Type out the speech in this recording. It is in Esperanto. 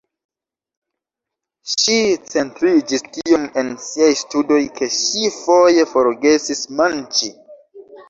Ŝi centriĝis tiom en siaj studoj ke ŝi foje forgesis manĝi.